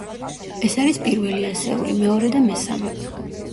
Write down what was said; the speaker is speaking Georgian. ეს არის პირველი ასეული, მეორე და მესამე.